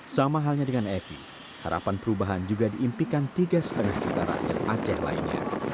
sama halnya dengan evi harapan perubahan juga diimpikan tiga lima juta rakyat aceh lainnya